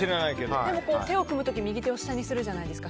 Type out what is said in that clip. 手を組む時右手を下にするじゃないですか。